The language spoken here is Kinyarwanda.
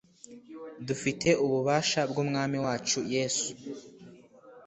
dufite ububasha bw'Umwami wacu Yesu ,